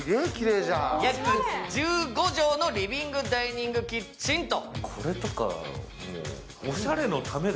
約１５畳のリビングダイニングキッチンと。